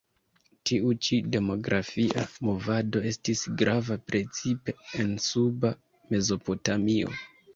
Tiu ĉi demografia movado estis grava precipe en Suba Mezopotamio.